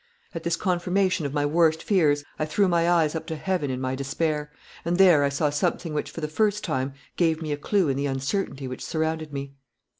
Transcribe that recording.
At this confirmation of my worst fears I threw my eyes up to heaven in my despair, and there I saw something which for the first time gave me a clue in the uncertainty which surrounded me.